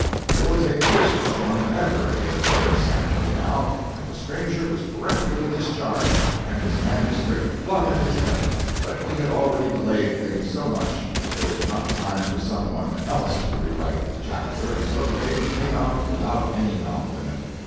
There was a fiercer storm than ever in the editorial sanctum now, and the stranger was peremptorily discharged, and his manuscript flung at his head. But he had already delayed things so much that there was not time for some one else to rewrite the chapter, and so the paper came out without any novel in it.